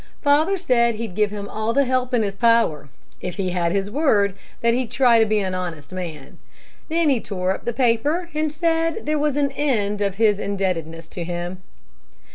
Father said he'd give him all the help in his power, if he had his word that he'd try to be an honest man. Then he tore up the paper, and said there was an end of his indebtedness to him.